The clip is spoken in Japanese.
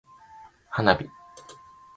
花火